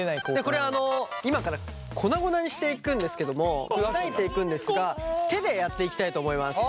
これあの今から粉々にしていくんですけども砕いていくんですが手でやっていきたいと思います。